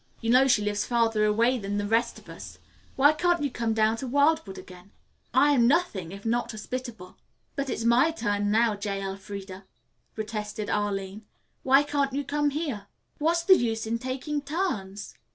You know she lives farther away than the rest of us. Why can't you come down to Wildwood again? I am nothing if not hospitable." "But it's my turn, now, J. Elfreda," protested Arline. "Why can't you come here?" "What's the use in taking turns?"